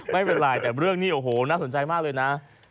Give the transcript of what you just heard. ไม่เป็นไรแต่เรื่องนี้โอ้โหน่าสนใจมากเลยนะ